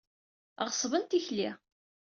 Ɣeṣben tikli.